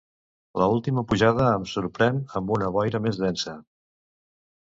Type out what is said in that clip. La última pujada ens sorprèn amb una boira més densa.